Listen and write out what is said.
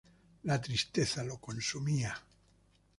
La tristeza lo consumía.